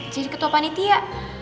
jadi ketua panitia